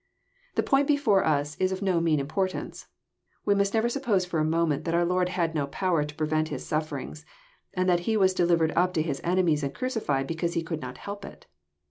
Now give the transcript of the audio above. The point before us is of no mean importance. We must never suppose for a moment that our Lord had no power to prevent His sufferings, and that He was delivered up to His enemies and crucified because He could not help it.